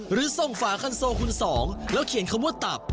หรือส่งฝาคันโซคุณสองแล้วเขียนคำว่าตับ